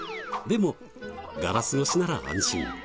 でもガラス越しなら安心。